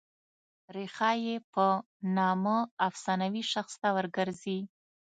ریښه یې په نامه افسانوي شخص ته ور ګرځي.